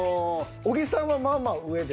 小木さんはまあまあ上ですか。